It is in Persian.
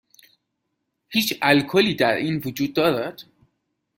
هیچ الکلی در این وجود دارد؟